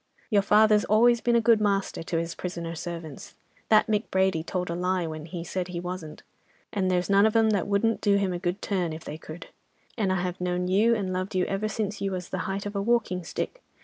Your father's always been a good master to his prisoner servants, that Mick Brady told a lie when he said he wasn't, and there's none of 'em that wouldn't do him a good turn, if they could; and I have known you and loved you ever since you was the height of a walking stick.